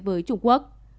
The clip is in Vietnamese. với trung quốc